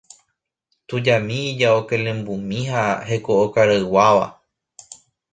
Tujami ijao kelembumi ha heko okarayguáva.